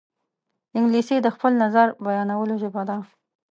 انګلیسي د خپل نظر بیانولو ژبه ده